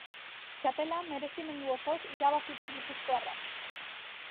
Txapela merezimendu osoz irabazi du gipuzkoarrak.